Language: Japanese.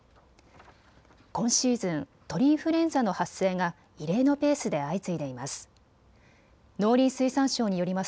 今シーズン、鳥インフルエンザの発生が異例のペースで相次いでいます。